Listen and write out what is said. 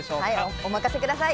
お任せください。